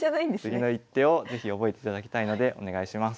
次の一手を是非覚えていただきたいのでお願いします。